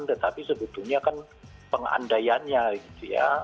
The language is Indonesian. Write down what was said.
tetapi sebetulnya kan pengandaiannya gitu ya